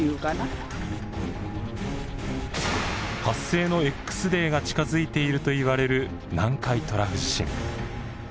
発生のＸデーが近づいているといわれる南海トラフ地震。